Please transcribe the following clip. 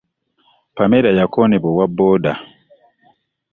Pamela yakonebwa owa booda.